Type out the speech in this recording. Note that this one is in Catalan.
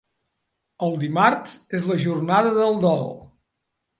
El Dimarts és la jornada del Dol.